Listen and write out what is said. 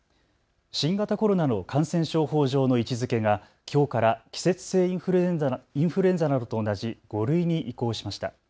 新型コロナの感染症法上の位置づけがきょうから季節性インフルエンザなどと同じ５類に移行しました。